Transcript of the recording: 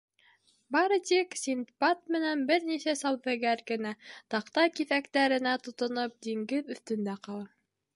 Бары тик Синдбад менән бер нисә сауҙагәр генә, таҡта киҫәктәренә тотоноп, диңгеҙ өҫтөндә ҡала.